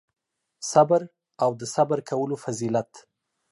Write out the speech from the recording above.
صبر او د صبر کولو فضیلت